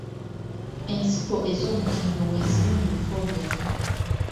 Ensigo ez'omutindo weeziri mu bifo byaffe.